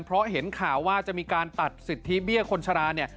เพราะเห็นข่าวว่าจะมีการตัดสิทธิเบี้ยคนชราเนี่ย